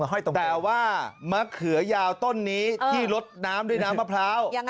แต่ว่ามะเขือยาวต้นนี้ที่ลดน้ำด้วยน้ำมะพร้าว